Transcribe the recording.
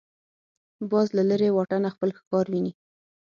باز له لرې واټنه خپل ښکار ویني